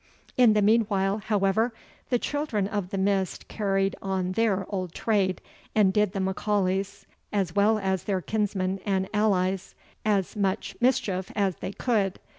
"In the meanwhile, however, the Children of the Mist carried on their old trade, and did the M'Aulays, as well as their kinsmen and allies, as much mischief as they could.